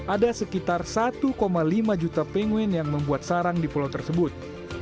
ada sekitar satu lima juta penguin yang membuat sarang di pulau tersebut